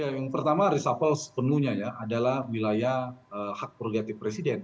ya yang pertama resafel sepenuhnya ya adalah wilayah hak progresi presiden